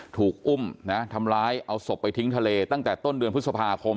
ถูกอุ้มนะทำร้ายเอาศพไปทิ้งทะเลตั้งแต่ต้นเดือนพฤษภาคม